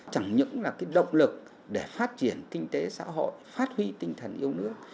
chẳng những là cái động lực để phát triển kinh tế xã hội phát huy tinh thần yêu nước